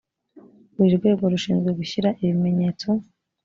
buri rwego rushinzwe gushyira ibimenyetso